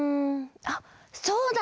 あっそうだ！